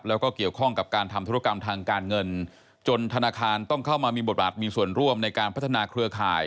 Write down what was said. แล้วก็เกี่ยวข้องกับการทำธุรกรรมทางการเงินจนธนาคารต้องเข้ามามีบทบาทมีส่วนร่วมในการพัฒนาเครือข่าย